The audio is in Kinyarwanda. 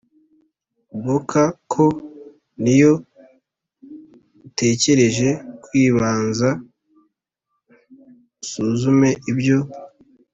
Boka ko n iyo utekereje kwibanza usuzume ibyo